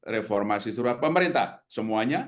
reformasi surat pemerintah semuanya